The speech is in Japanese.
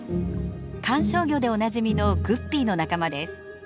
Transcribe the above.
観賞魚でおなじみのグッピーの仲間です。